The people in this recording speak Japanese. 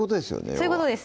そういうことです